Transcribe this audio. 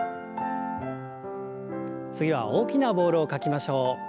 次は大きなボールを描きましょう。